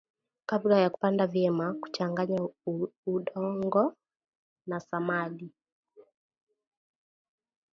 kabla ya kupanda vyema kuchanganya udongo na samadi